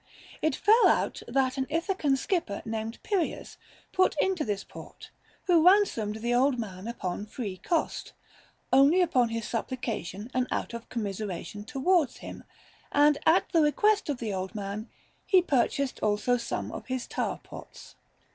It fell out that an Ithacan skipper named Pyrrhias put into this port, who ransomed the old man upon free cost, only upon his supplication and out of com miseration towards him, and at the request of the old man he purchased also some of his tar pots.